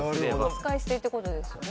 使い捨てってことですよね。